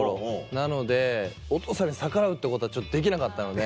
なのでお父さんに逆らうってことはできなかったので。